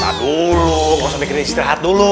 nah dulu nggak usah mikirin istirahat dulu